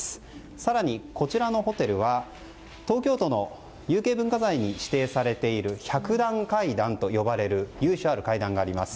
更にこちらのホテルは東京都の有形文化財に指定されている百段階段と呼ばれる由緒ある階段があります。